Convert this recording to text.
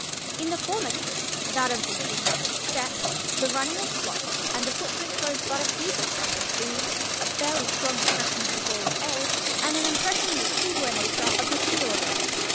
In the former case, that of the gymnastic step, the running is slow and the footprint shows but a feeble thrust of B, a fairly strong impression of the ball of A, and an impression of a feebler nature of the heel of A.